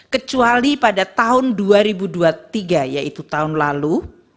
kecuali pada tahun dua ribu dua puluh tiga yaitu tahun lalu